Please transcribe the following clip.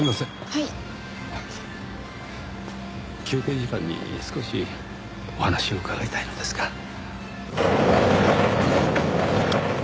休憩時間に少しお話を伺いたいのですが。